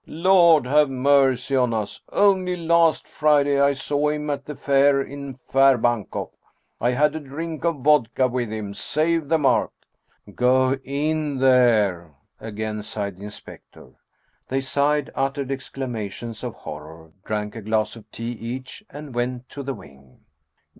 " Lord, have mercy on us ! Only last Friday I saw him at the fair in Farabankoff. I had a drink of vodka with him, save the mark !"" Go in there !" again sighed the inspector. They sighed, uttered exclamations of horror, drank a glass of tea each, and went to the wing.